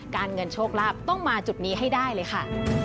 เงินโชคลาภต้องมาจุดนี้ให้ได้เลยค่ะ